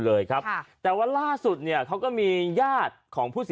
เลยครับค่ะแต่ว่าล่าสุดเนี่ยเขาก็มีญาติของผู้เสีย